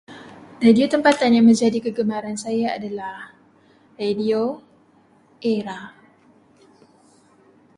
Radio tempatan yang menjadi kegemaran saya adalah radio ERA.